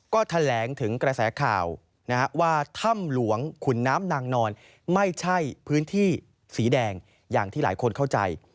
ก็แถลงถึงกระแสข่าวว่าถ้ำหลวงขุนน้ำนางนอนไม่ใช่พื้นที่สีแดงอย่างที่หลายคนเข้าใจ